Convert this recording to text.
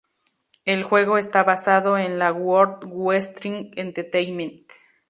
El juego está basado en la World Wrestling Entertainment.